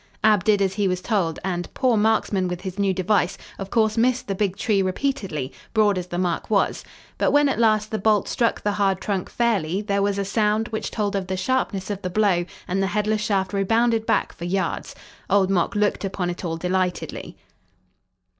Ab did as he was told, and, poor marksman with his new device, of course missed the big tree repeatedly, broad as the mark was, but when, at last, the bolt struck the hard trunk fairly there was a sound which told of the sharpness of the blow and the headless shaft rebounded back for yards. Old Mok looked upon it all delightedly.